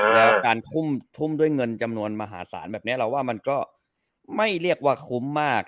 แล้วการทุ่มด้วยเงินจำนวนมหาศาลแบบนี้เราว่ามันก็ไม่เรียกว่าคุ้มมาก